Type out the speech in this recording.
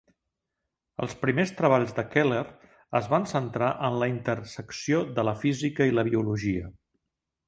Els primers treballs de Keller es van centrar en la intersecció de la física i la biologia.